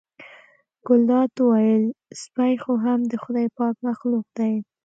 ګلداد وویل سپی خو هم د خدای پاک مخلوق دی.